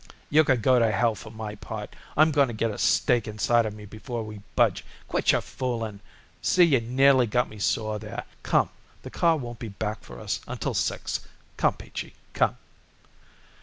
"You can go to hell, for my part. I'm going to get a steak inside of me before we budge. Quit your fooling. See, you nearly got me sore there. Come, the car won't be back for us until six. Come, Peachy, come."